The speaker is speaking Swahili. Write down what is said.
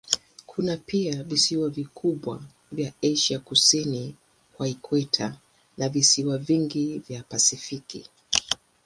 Kuna pia visiwa vikubwa vya Asia kusini kwa ikweta na visiwa vingi vya Pasifiki.